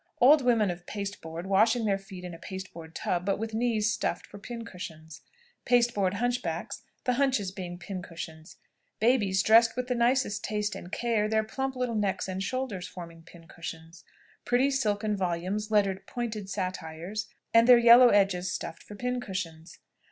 Old women of pasteboard, washing their feet in a pasteboard tub, but with knees stuffed for pincushions. Pasteboard hunch backs, the hunches being pincushions. Babies dressed with the nicest taste and care, their plump little necks and shoulders forming pincushions. Pretty silken volumes, lettered "pointed satires," and their yellow edges stuffed for pincushions.